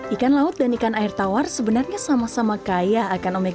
ikan laut dan ikan air tawar sebenarnya sama sama kaya akan omikron